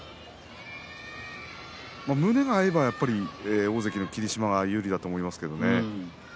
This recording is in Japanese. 胸が合えばやっぱり大関の霧島が有利だと思いますけど。